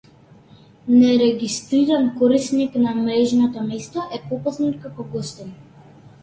Нерегистриран корисник на мрежното место е попознат како гостин.